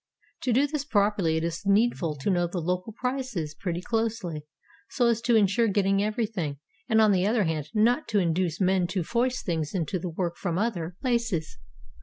To do this properly it is needful to know the local prices pretty closely, so as to insure getting everything, and on the other hand not to induce men to foist things into the work from other places.